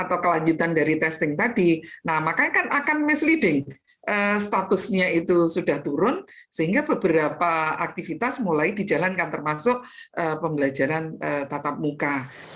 alasannya itu sudah turun sehingga beberapa aktivitas mulai dijalankan termasuk pembelajaran tatap muka